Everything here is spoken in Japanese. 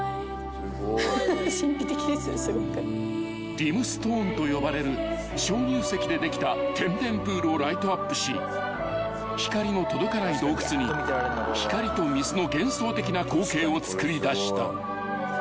［リムストーンと呼ばれる鍾乳石でできた天然プールをライトアップし光の届かない洞窟に光と水の幻想的な光景をつくり出した］